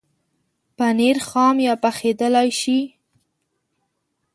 پنېر خام یا پخېدلای شي.